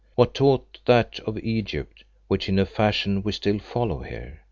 What taught that of Egypt, which, in a fashion, we still follow here?